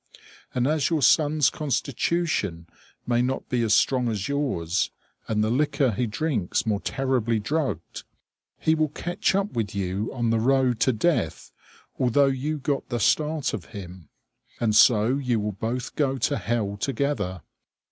And as your son's constitution may not be as strong as yours, and the liquor he drinks more terribly drugged, he will catch up with you on the road to death although you got the start of him. And so you will both go to hell together!